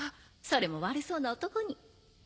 それも悪そうな男に。